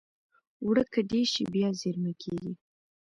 اوړه که ډېر شي، بیا زېرمه کېږي